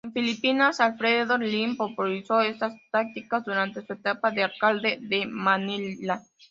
En Filipinas, Alfredo Lim popularizó estas tácticas durante su etapa de alcalde de Manila.